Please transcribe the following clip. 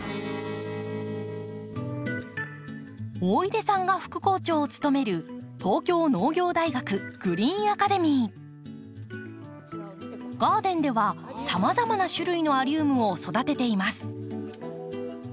大出さんが副校長を務めるガーデンではさまざまな種類のアリウムを育てています。